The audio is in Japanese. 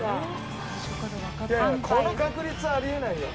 この確率はあり得ないよ。